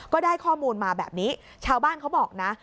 ก็ได้ข้อมูลมาแบบนี้ชาวบ้านเขาบอกนะ